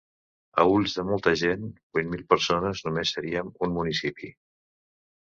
A ulls de molta gent, vuit mil persones només seríem un municipi.